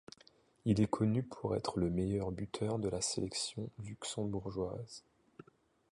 Il est connu pour être le meilleur buteur de la sélection luxembourgeoise.